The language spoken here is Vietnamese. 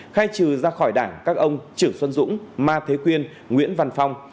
khai trừ ra khỏi đảng các ông chử xuân dũng ma thế quyên nguyễn văn phong